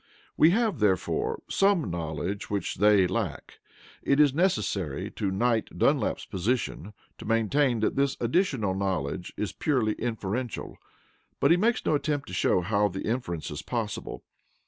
We have, therefore, some knowledge which they lack. It is necessary to Knight Dunlap's position to maintain that this additional knowledge is purely inferential, but he makes no attempt to show how the inference is possible.